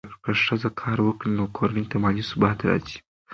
که ښځه کار وکړي، نو کورنۍ ته مالي ثبات راځي.